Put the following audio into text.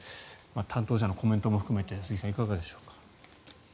担当者のコメントも含めて鈴木さん、いかがでしょうか。